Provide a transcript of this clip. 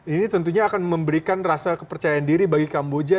ini tentunya akan memberikan rasa kepercayaan diri bagi kamboja